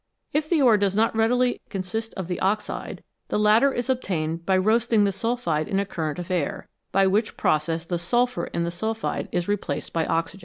If the ore does not already consist of the oxide, the latter is obtained by roasting the sulphide in a current of air, by which process the sulphur in the sulphide is replaced by oxygen.